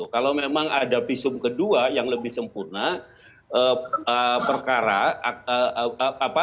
kalau memang ada visum kedua yang lebih sempurna perkara